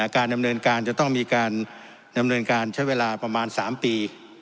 การดำเนินการจะต้องมีการดำเนินการใช้เวลาประมาณ๓ปี